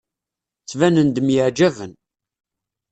Ttbanen-d myeɛjaben.